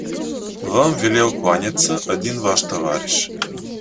Вам велел кланяться один ваш товарищ